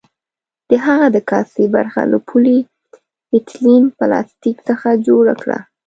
د هغه د کاسې برخه له پولي ایتلین پلاستیک څخه جوړه کړه.